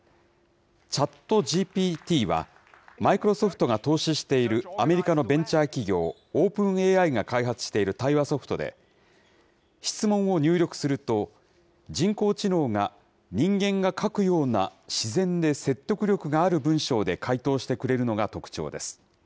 チャットＧＰＴは、マイクロソフトが投資しているアメリカのベンチャー企業、オープンＡＩが開発している対話ソフトで、質問を入力すると、人工知能が人間が書くような自然で説得力がある文章で回答してくれるのが特徴です。